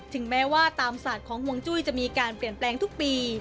แม้ว่าตามศาสตร์ของห่วงจุ้ยจะมีการเปลี่ยนแปลงทุกปี